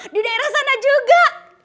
di daerah sana juga